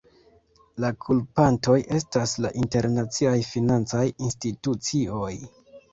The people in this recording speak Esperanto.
La kulpantoj estas la internaciaj financaj institucioj.